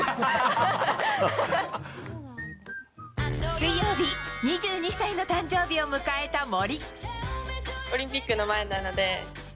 水曜日２２歳の誕生日を迎えた森。